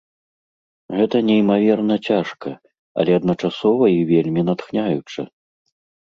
Гэта неймаверна цяжка, але адначасова і вельмі натхняюча.